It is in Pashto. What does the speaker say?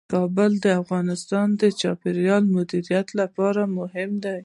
کابل د افغانستان د چاپیریال د مدیریت لپاره مهم دي.